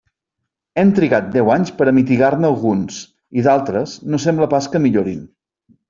Hem trigat deu anys per a mitigar-ne alguns, i d'altres no sembla pas que millorin.